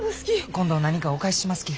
今度何かお返ししますき。